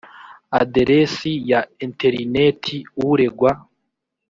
aderesi ya interineti uregwa